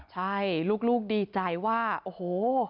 ใช่ลูกดีใจว่าโอ้โห